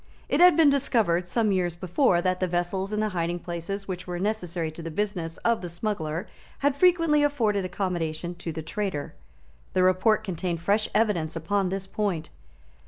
It had been discovered, some years before, that the vessels and the hiding places which were necessary to the business of the smuggler had frequently afforded accommodation to the traitor. The report contained fresh evidence upon this point.